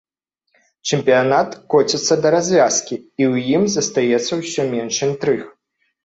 Чэмпіянат коціцца да развязкі, і ў ім застаецца ўсё менш інтрыг.